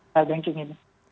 file banking ini